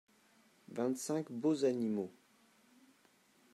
vingt cinq beaux animaux.